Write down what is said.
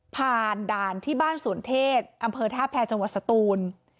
ผ่านด่านที่บ้านสวนเทศอำเภอท่าแพรจังหวัดสตูน